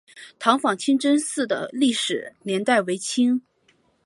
塘坊清真寺的历史年代为清。